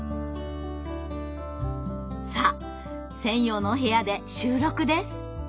さあ専用の部屋で収録です。